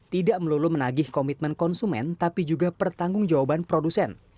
tidak melulu menagih komitmen konsumen tapi juga pertanggungjawaban produsen